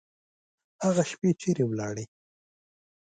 هغه شپې چیري ولاړې؟